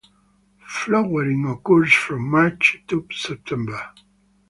Flowering occurs from March to September.